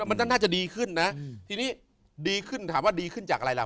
มันก็น่าจะดีขึ้นนะทีนี้ดีขึ้นถามว่าดีขึ้นจากอะไรล่ะ